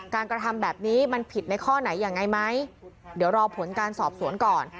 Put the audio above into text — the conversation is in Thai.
กระทำแบบนี้มันผิดในข้อไหนยังไงไหมเดี๋ยวรอผลการสอบสวนก่อน